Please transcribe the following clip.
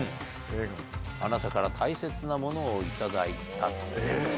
あなたから大切なものをいただいたと。